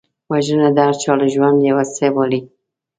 وژنه د هرچا له ژونده یو څه وړي